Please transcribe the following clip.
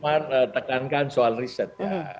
bang komar tekankan soal riset